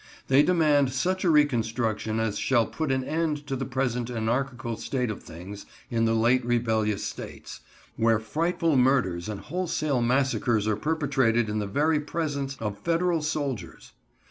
They demand such a reconstruction as shall put an end to the present anarchical state of things in the late rebellious States,—where frightful murders and wholesale massacres are perpetrated in the very presence of Federal soldiers.